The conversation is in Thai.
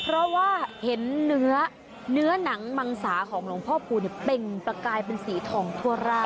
เพราะว่าเห็นเนื้อเนื้อนังมังสาของหลวงพ่อพูลเนี่ยเป็นกลายเป็นสีทองทั่วร่าง